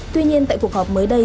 tuy nhiên tại cuộc họp mới đây